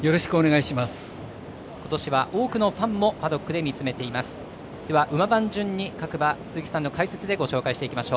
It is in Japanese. ことしは多くのファンもパドックで見つめています。